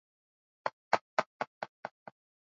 katika maeneo mengi ya mijini